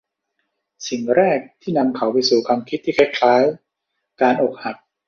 สิ่งแรกที่นำเขาไปสู่ความคิดที่คล้าย ๆ การอกหัก